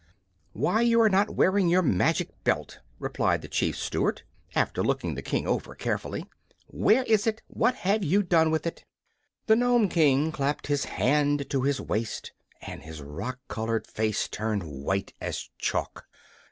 "Why, you are not wearing your magic belt," replied the Chief Steward, after looking the King over carefully. "Where is it? What have you done with it?" The Nome King clapped his hand to his waist, and his rock colored face turned white as chalk.